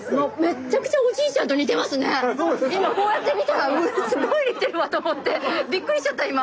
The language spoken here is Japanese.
今こうやって見たらすごい似てるわと思ってビックリしちゃった今。